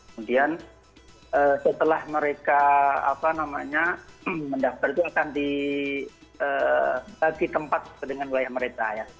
kemudian setelah mereka mendaftar itu akan di bagi tempat ke dengan wilayah mereka ya